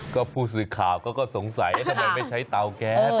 ก็ผู้สื่อข่าวก็สงสัยแล้วทำไมไม่ใช้เตาแก๊ส